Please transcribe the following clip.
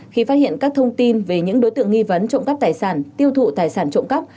khi phát hiện các thông tin về những đối tượng nghi vấn trộm cắp tài sản tiêu thụ tài sản trộm cắp